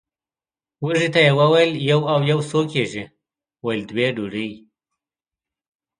وږي ته یې وویل یو او یو څو کېږي ویل دوې ډوډۍ!